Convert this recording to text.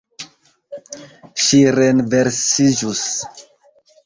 Ŝi renversiĝus.